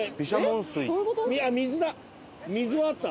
水はあった！